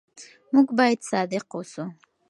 موږ بايد صادق اوسو.